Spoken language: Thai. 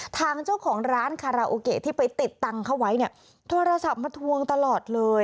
ทางเจ้าของร้านคาราโอเกะที่ไปติดตังค์เขาไว้เนี่ยโทรศัพท์มาทวงตลอดเลย